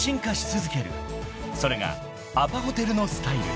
［それがアパホテルのスタイル］